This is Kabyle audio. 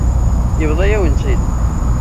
Yebḍa-yawen-tt-id.